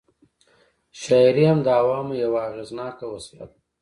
شاعري هم د عوامو یوه اغېزناکه وسله وه.